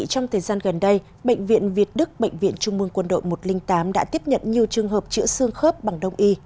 trong thời gian gần đây bệnh viện việt đức bệnh viện trung mương quân đội một trăm linh tám đã tiếp nhận nhiều trường hợp chữa xương khớp bằng đông y